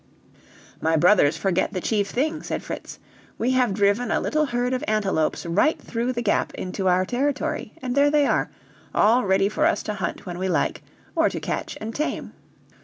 "My brothers forget the chief thing," said Fritz. "We have driven a little herd of antelopes right through the Gap into our territory; and there they are, all ready for us to hunt when we like or to catch and tame!"